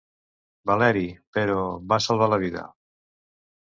Valeri, però, va salvar la vida.